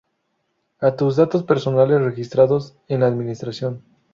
A tus datos personales registrados en la Administración.